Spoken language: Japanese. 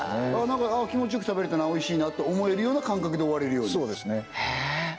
何か気持ちよく食べれたなおいしいなって思えるような感覚で終われるようにそうですね